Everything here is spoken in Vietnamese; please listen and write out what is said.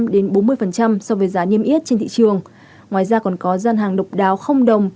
đến bốn mươi so với giá niêm yết trên thị trường ngoài ra còn có gian hàng độc đáo không đồng